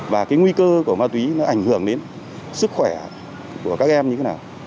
và cái nguy cơ của ma túy nó ảnh hưởng đến sức khỏe của các em như thế nào